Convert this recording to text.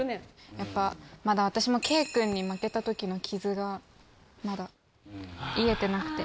やっぱまだ私もけいくんに負けたときの傷がまだ癒えてなくて。